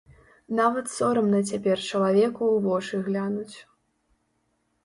Нават сорамна цяпер чалавеку ў вочы глянуць.